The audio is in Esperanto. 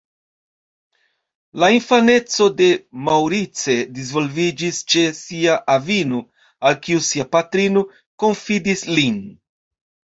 La infaneco de Maurice disvolviĝis ĉe sia avino, al kiu sia patrino konfidis lin.